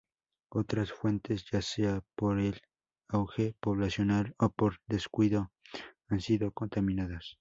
Otras fuentes, ya sea, por el auge poblacional o por descuido han sido contaminadas.